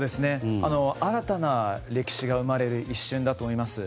新たな歴史が生まれる一瞬だと思います。